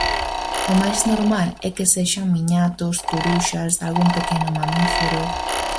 O máis normal é que sexan miñatos, curuxas, algún pequeno mamífero...